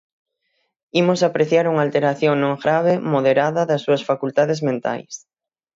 Imos apreciar unha alteración non grave, moderada, das súas facultades mentais.